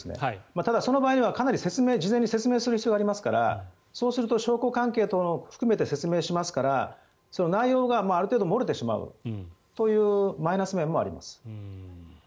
ただ、その場合には事前に説明する必要がありますからそうすると証拠関係等含めて説明しますから内容がある程度漏れてしまうというマイナス面もあります。